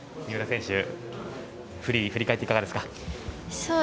三浦選手、フリー振り返っていかがですか？